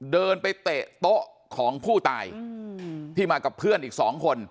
เดินไปเตะโต๊ะของผู้ตายที่มากับเพื่อนอีกสองคน